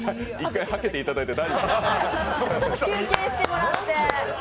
１回、はけていただいて大丈夫です。